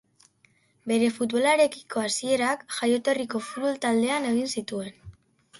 Bere futbolarekiko hasierak jaioterriko futbol-taldean egin zituen.